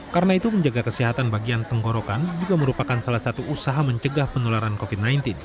karena itu menjaga kesehatan bagian tenggorokan juga merupakan salah satu usaha mencegah penularan covid sembilan belas